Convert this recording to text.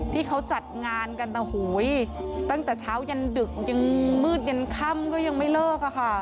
ที่เขาจัดงานกันนะตั้งแต่เช้ายันดึกยังมืดยันค่ำก็ยังไม่เลิกอะค่ะ